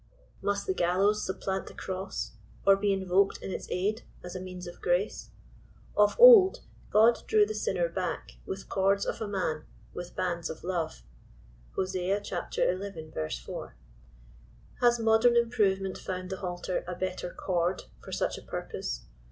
Must the gallows supplant the cross— or be in voked in its aid — as a n.eans of grace ? Of old, God drew the sin* 25 ner back «' with cords of a man, with bands of lore.*' (Hoa. zi. 4.) Has modern improvement found the halter a better cord" for such a purpose